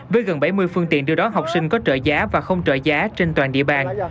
với gần bảy mươi phương tiện đưa đón học sinh có trợ giá và không trợ giá trên toàn địa bàn